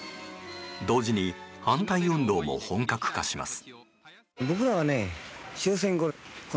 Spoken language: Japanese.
同時に反対運動も本格化します。